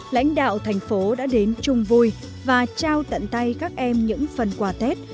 lãnh đạo thành phố đã đến chung vui và trao tận tay các em những phần quà tết